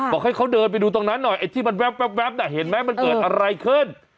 บอกให้เขาเดินไปดูตรงนั้นหน่อยไอ้ที่มันแว๊บน่ะเห็นไหมมันเกิดอะไรขึ้น